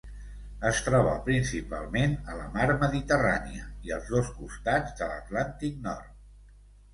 Es troba principalment a la Mar Mediterrània i als dos costats de l'Atlàntic Nord.